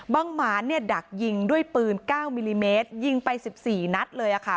บางหมานเนี้ยดักยิงด้วยปืนเก้ามิลลิเมตรยิงไปสิบสี่นัดเลยอะค่ะ